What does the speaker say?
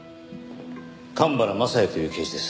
神原雅也という刑事です。